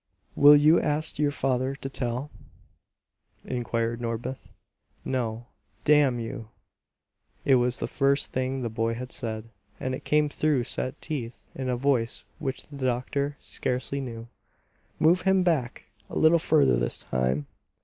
"Will you ask your father to tell?" inquired Norbith. "No damn you!" It was the first thing the boy had said. And it came through set teeth, in a voice which the doctor scarcely knew. "Move him back; a little further this time."